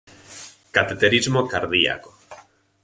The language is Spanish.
Cateterismo cardiaco.